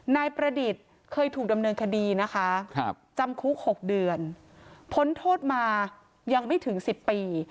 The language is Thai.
นายประดิษฐ์เคยถูกดำเนินคดีนะคะจำคุก๖เดือนพ้นโทษมายังไม่ถึง๑๐ปี